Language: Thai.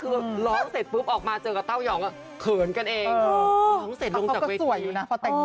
คือร้องเสร็จปั้วออกมาเจอกับเต้ายอ๋อง